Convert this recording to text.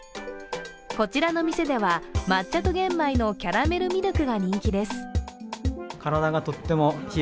こちらの店では抹茶と玄米のキャラメルミルクが人気です。